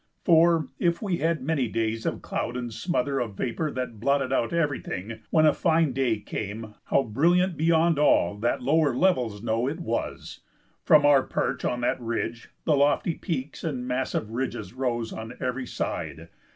For if we had many days of cloud and smother of vapor that blotted out everything, when a fine day came how brilliant beyond all that lower levels know it was! From our perch on that ridge the lofty peaks and massive ridges rose on every side.